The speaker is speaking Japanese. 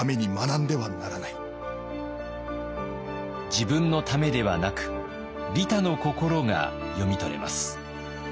自分のためではなく利他の心が読み取れます。